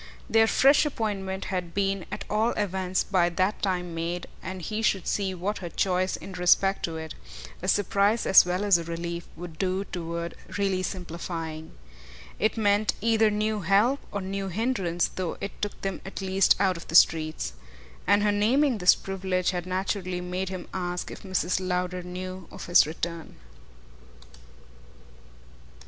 Their fresh appointment had been at all events by that time made, and he should see what her choice in respect to it a surprise as well as a relief would do toward really simplifying. It meant either new help or new hindrance, though it took them at least out of the streets. And her naming this privilege had naturally made him ask if Mrs. Lowder knew of his return.